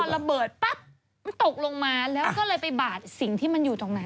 ระเบิดปั๊บมันตกลงมาแล้วก็เลยไปบาดสิ่งที่มันอยู่ตรงไหน